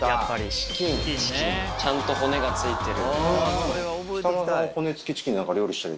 チキンちゃんと骨がついてる。